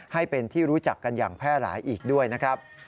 ให้เป็นที่รู้จักกันอย่างแพร่หลายอีกด้วยนะครับ